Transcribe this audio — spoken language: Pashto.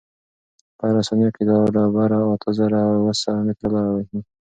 په هره ثانیه کې دا ډبره اته زره اوه سوه متره لاره وهي.